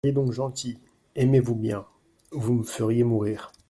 Soyez donc gentilles, aimez-vous bien ! Vous me feriez mourir.